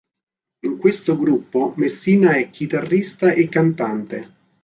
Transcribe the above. In questo gruppo Messina è chitarrista e cantante.